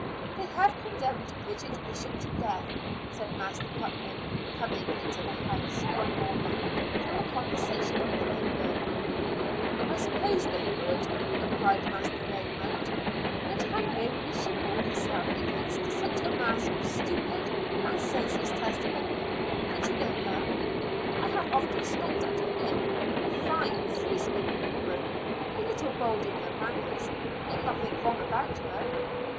"They have condemned Bridget Bishop to death," said Master Putnam, coming into the house one morning from a conversation with a neighbor. "I supposed they would," replied Master Raymond. "But how nobly she bore herself against such a mass of stupid and senseless testimony. Did you know her?" "I have often stopped at her Inn. A fine, free spoken woman; a little bold in her manners, but nothing wrong about her."